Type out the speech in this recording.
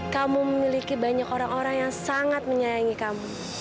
kamu memiliki banyak orang orang yang sangat menyayangi kamu